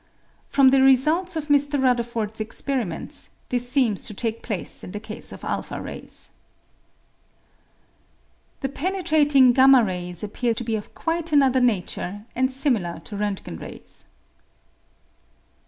From the results of Mr. Rutherford's experiments, this seems to take place in the case of the a rays. The penetrating y rays appear to be of quite another nature, and similar to Rontgen rays.